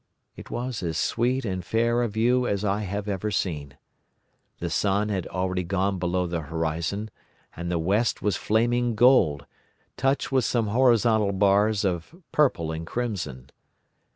It was as sweet and fair a view as I have ever seen. The sun had already gone below the horizon and the west was flaming gold, touched with some horizontal bars of purple and crimson.